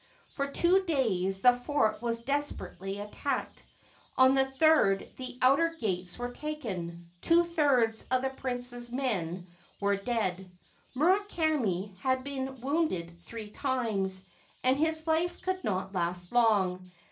For two days the fort was desperately attacked ; on the third the outer gates were taken ; two thirds of the prince's men were dead. Murakami had been wounded three times, and his life could not last long.